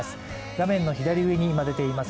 画面の左上に出ています